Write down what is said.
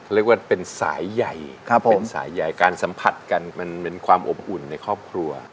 เรียกว่าเป็นสายใหญ่เป็นสายใหญ่การสัมผัสกันมันเป็นความอบอุ่นในครอบครัว